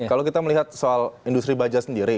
kalau kita melihat soal industri baja sendiri